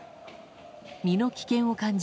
身の危険を感じ